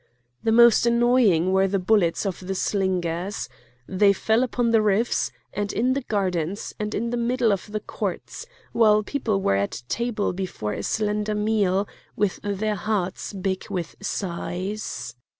The most annoying were the bullets of the slingers. They fell upon the roofs, and in the gardens, and in the middle of the courts, while people were at table before a slender meal with their hearts big with sighs.